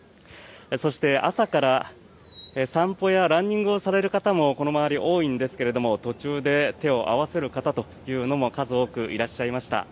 そして朝から散歩やランニングをされる方もこの周り、多いんですが途中で手を合わせる方というのも数多くいらっしゃいました。